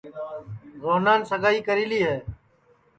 روہنان ریماس سگائی کری لی ہے